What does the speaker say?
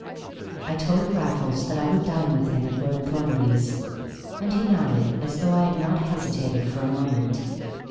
I told Raffles that I would dine with him at Lord Thornaby's, and he nodded as though I had not hesitated for a moment.